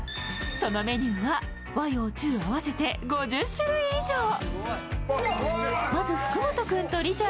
そのメニューは和洋中合わせて５０種類以上。